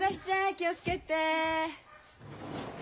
気を付けて。